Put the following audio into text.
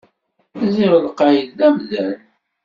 Ziɣ lqayed d amdan!